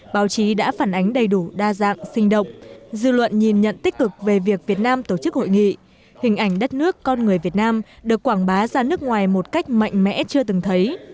báo chí đã phản ánh đầy đủ đa dạng sinh động dư luận nhìn nhận tích cực về việc việt nam tổ chức hội nghị hình ảnh đất nước con người việt nam được quảng bá ra nước ngoài một cách mạnh mẽ chưa từng thấy